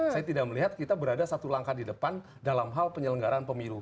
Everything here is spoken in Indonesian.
saya tidak melihat kita berada satu langkah di depan dalam hal penyelenggaraan pemilu